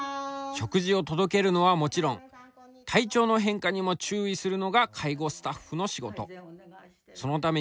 食事を届けるのはもちろん体調の変化にも注意するのが介護スタッフの仕事。